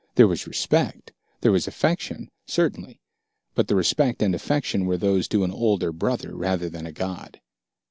There was respect, there was affection, certainly, but the respect and affection were those due an older brother rather than a god.